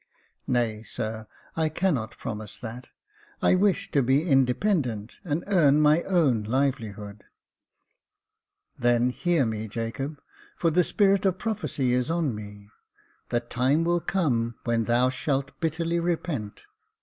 " Nay, sir, I cannot promise that : I wish to be indepen dent and earn my own livelihood." " Then hear me, Jacob, for the spirit of prophecy is on me j the time will come when thou shalt bitterly repent.